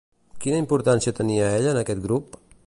Quina importància tenia ella en aquest grup?